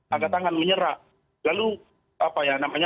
agak tangan menyerah lalu apa ya namanya